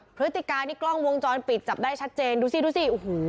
พฤติการนี่กล้องวงจรปิดจับได้ชัดเจนดูสิดูสิโอ้โห